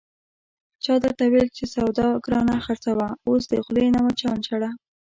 چا درته ویل چې سودا گرانه خرڅوه، اوس د خولې نه مچان شړه...